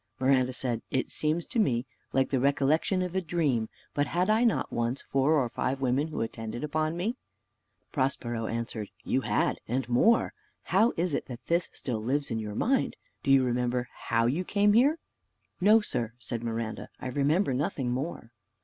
Miranda said, "It seems to me like the recollection of a dream. But had I not once four or five women who attended upon me?" Prospero answered, "You had, and more. How is it that this still lives in your mind? Do you remember how you came here?" "No, sir," said Miranda, "I remember nothing more."